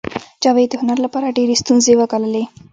جاوید د هنر لپاره ډېرې ستونزې وګاللې